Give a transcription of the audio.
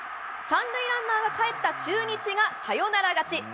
３塁ランナーがかえった中日がサヨナラ勝ち。